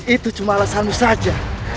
itu cuma alasanmu saja